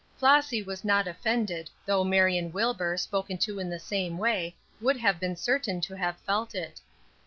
Flossy was not offended, though Marion Wilbur, spoken to in the same way, would have been certain to have felt it.